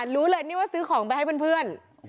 รู้เลยนี่ว่าซื้อของไปให้เพื่อน